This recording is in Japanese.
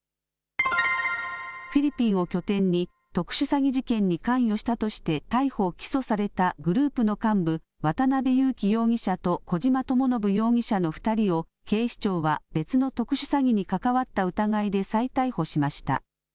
フィリピンを拠点に特殊詐欺事件に関与したとして逮捕・起訴されたグループの幹部、渡邉優樹容疑者と小島智信容疑者の２人を警視庁は別の特殊詐欺に関わった疑いで再逮捕しました。